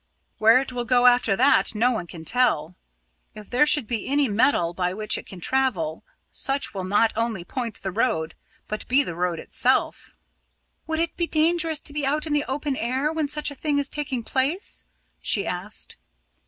Where it will go after that, no one can tell. If there should be any metal by which it can travel, such will not only point the road, but be the road itself." "Would it be dangerous to be out in the open air when such a thing is taking place?" she asked.